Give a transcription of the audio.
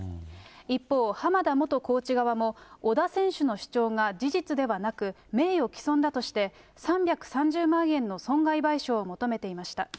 一方、濱田元コーチ側も、織田選手の主張が事実ではなく、名誉毀損だとして、３３０万円の損害賠償を求めていました。